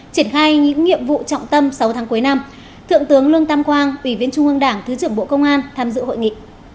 triển khai những nhiệm vụ trọng tâm sáu tháng cuối năm thượng tướng lương tam quang ủy viên trung ương đảng thứ trưởng bộ công an tham dự hội nghị